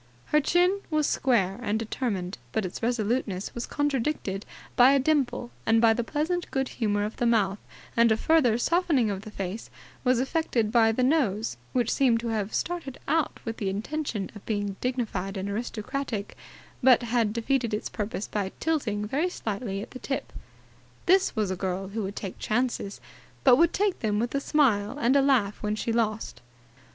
Her chin was square and determined, but its resoluteness was contradicted by a dimple and by the pleasant good humour of the mouth; and a further softening of the face was effected by the nose, which seemed to have started out with the intention of being dignified and aristocratic but had defeated its purpose by tilting very slightly at the tip. This was a girl who would take chances, but would take them with a smile and laugh when she lost.